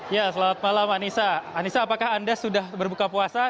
ya selamat malam anissa anissa apakah anda sudah berbuka puasa